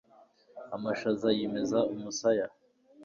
Amashaza yimezaumusaya